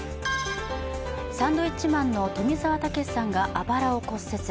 サンドウィッチマンの富澤たけしさんがあばらを骨折。